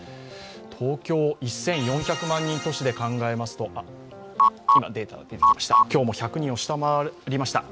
東京１４００万人都市で考えますと今日も１００人を下回りました。